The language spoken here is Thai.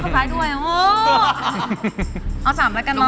เขานายคนน่ะวะ๔